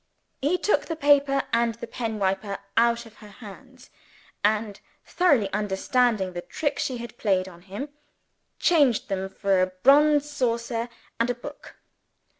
He took the paper and the pen wiper out of her hands; and (thoroughly understanding the trick she had played him) changed them for a bronze saucer and a book.